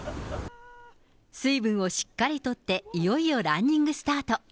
水分をしっかりとって、いよいよランニングスタート。